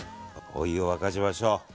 お湯を沸かしましょう。